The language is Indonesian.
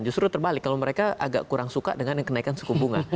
justru terbalik kalau mereka agak kurang suka dengan kenaikan suku bunga